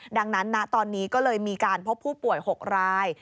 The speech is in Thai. ดังนั้นนะตอนนี้ก็เลยมีการพบผู้ป่วย๖ราย